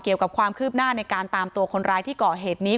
เกี่ยวกับความคืบหน้าในการตามตัวคนร้ายที่ก่อเหตุนี้